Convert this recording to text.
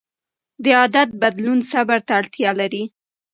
د عادت بدلون صبر ته اړتیا لري.